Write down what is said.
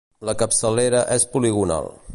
La capçalera és poligonal.